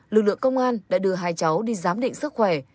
lực lượng công an đã đưa hai cháu đi giám định sức khỏe